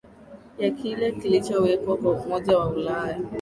ya kile kilichowekwa kwa umoja wa ulaya